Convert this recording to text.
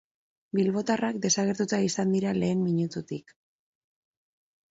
Bilbotarrak desagertuta izan dira lehen minututik.